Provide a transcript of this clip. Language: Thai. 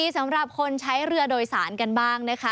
สำหรับคนใช้เรือโดยสารกันบ้างนะคะ